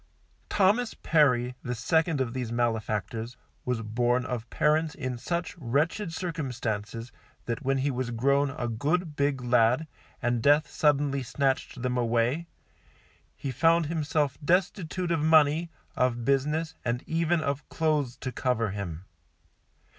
Thomas Perry, the second of these malefactors, was born of parents in such wretched circumstances that when he was grown a good big lad, and death suddenly snatched them away, he found himself destitute of money, of business and even of clothes to cover him.